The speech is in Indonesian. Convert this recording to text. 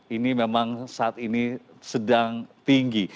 ini memang saat ini sedang tinggi